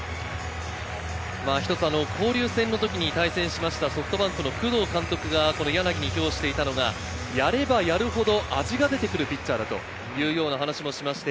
交流戦の時に対戦しましたソフトバンクの工藤監督が柳に評していたのが、やればやるほど味が出てくるピッチャーだというような話をしました。